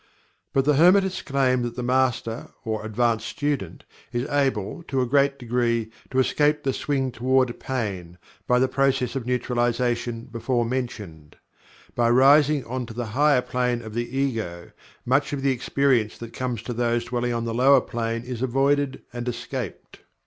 But the Hermetists claim that the Master or advanced student is able, to a great degree, to escape the swing toward Pain, by the process of Neutralization before mentioned. By rising on to the higher plane of the Ego, much of the experience that comes to those dwelling on the lower plane is avoided and escaped.